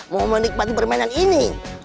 mau menikmati permainan ini